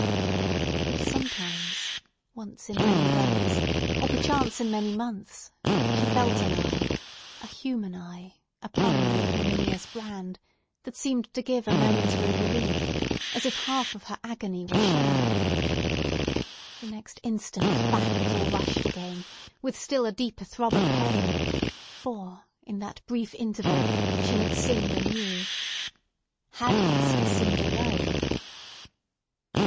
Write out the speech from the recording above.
But sometimes, once in many days, or perchance in many months, she felt an eye—a human eye—upon the ignominious brand, that seemed to give a momentary relief, as if half of her agony were shared. The next instant, back it all rushed again, with still a deeper throb of pain; for, in that brief interval, she had sinned anew. (Had Hester sinned alone?)